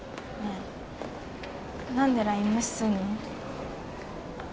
え何でＬＩＮＥ無視すんの？